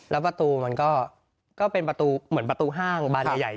แล้วประตูมันก็เป็นประตูห้างบรรยายใหญ่